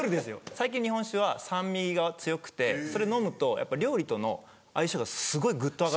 最近日本酒は酸味が強くてそれ飲むと料理との相性がすごいぐっと上がるんですよ。